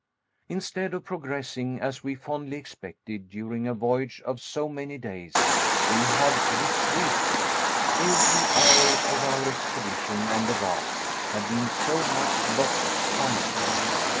Instead of progressing, as we fondly expected, during a voyage of so many days, we had retreated. Every hour of our expedition on the raft had been so much lost time!